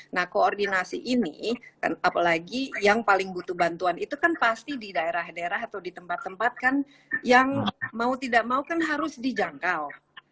nah koordinasi ini apalagi yang paling butuh bantuan itu kan pasti di daerah daerah atau di tempat tempat kan yang mau tidak mau kan harus dijangkau